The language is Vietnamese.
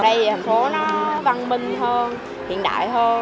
đây thành phố nó văn minh hơn hiện đại hơn